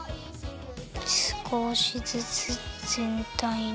すこしずつぜんたいに。